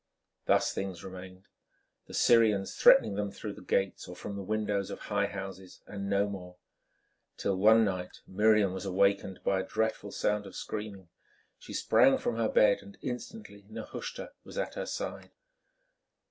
Thus things remained, the Syrians threatening them through the gates or from the windows of high houses, and no more, till one night Miriam was awakened by a dreadful sound of screaming. She sprang from her bed and instantly Nehushta was at her side.